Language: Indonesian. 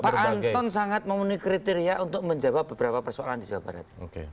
pak anton sangat memenuhi kriteria untuk menjawab beberapa persoalan di jawa barat